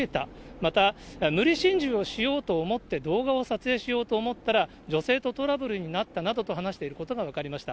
また無理心中をしようと思って動画を撮影しようと思ったら女性とトラブルになったなどと話していることが分かりました。